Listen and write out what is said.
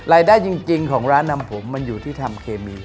รายได้จริงของร้านนำผมมันอยู่ที่ทำเคมี